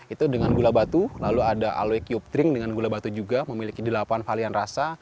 itu dengan gula batu lalu ada aloe kiub tring dengan gula batu juga memiliki delapan valian rasa